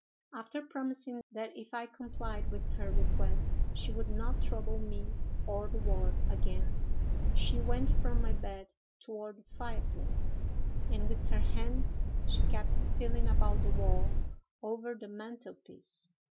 After promising that if I complied with her request, she would not trouble me or the ward again, she went from my bed toward the fireplace, and with her hands she kept feeling about the wall over the mantel piece.